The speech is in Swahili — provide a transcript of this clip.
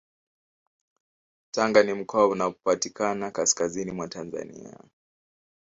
Tanga ni mkoa unaopatikana kaskazini mwa Tanzania